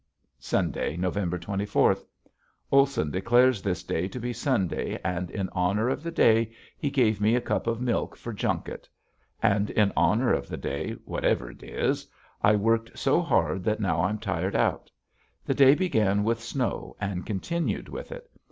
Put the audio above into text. Sunday, November twenty fourth. Olson declares this day to be Sunday and in honor of the day he gave me a cup of milk for junket. And in honor of the day, whatever it is, I worked so hard that now I'm tired out. The day began with snow and continued with it.